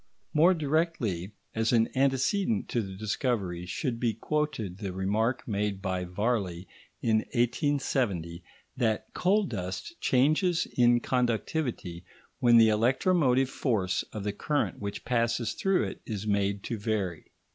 More directly, as an antecedent to the discovery, should be quoted the remark made by Varley in 1870, that coal dust changes in conductivity when the electromotive force of the current which passes through it is made to vary.